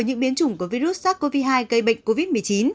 những biến chủng của virus sars cov hai gây bệnh covid một mươi chín